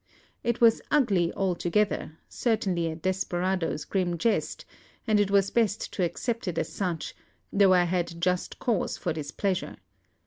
It was 'ugly' altogether, certainly a 'desperado's' grim jest, and it was best to accept it as such, though I had just cause for displeasure.